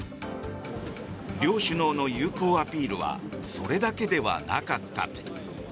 両首脳の友好アピールはそれだけではなかった。